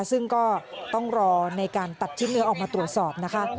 ซึ่งก็ต้องรอในการตัดชิ้นเนื้อออกมาตรวจสอบนะคะ